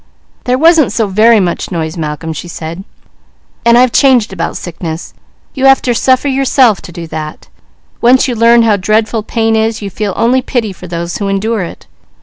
"There wasn't so very much noise, Malcolm," she said, "and I've changed about sickness. You have to suffer yourself to do that. Once you learn how dreadful pain is, you feel only pity for those who endure it.